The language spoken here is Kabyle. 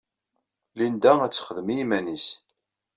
Linda ad texdem i yiman-nnes.